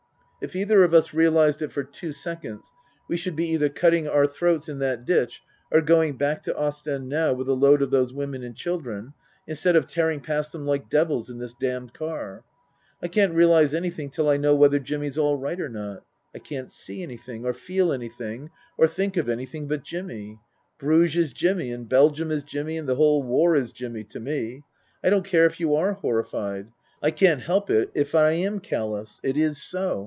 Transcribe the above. If either of us realized it for two seconds we should be either cutting our throats in that ditch or going back to Ostend now with a load of those women and children, instead of tearing past them like devils in this damned car. "I can't realize anything till I know whether Jimmy's all right or not. I can't see anything, or feel anything, or think of anything but Jimmy. Bruges is Jimmy and Belgium is Jimmy and the whole war is Jimmy to me. I don't care if you are horrified. I can't help it if I am callous. It is so.